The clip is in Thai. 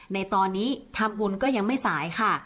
ในตอนนี้ทำบุญก็ยังไม่สายค่ะ